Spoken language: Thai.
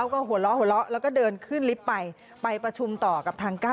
ครับ